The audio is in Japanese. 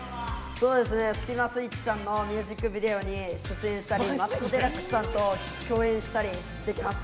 スキマスイッチさんのミュージックビデオに出演したりマツコデラックスさんと共演したりできました。